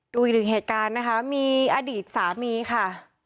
ดูอีกหนึ่งเหตุการณ์นะคะมีอดีตสามีค่ะ